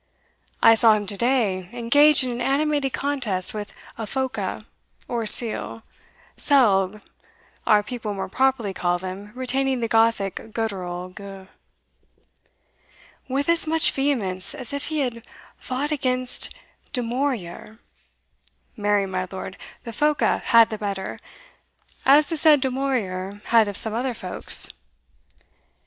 I saw him to day engage in an animated contest with a phoca, or seal (sealgh, our people more properly call them, retaining the Gothic guttural gh), with as much vehemence as if he had fought against Dumourier Marry, my lord, the phoca had the better, as the said Dumourier had of some other folks.